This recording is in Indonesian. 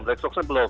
black spock nya belum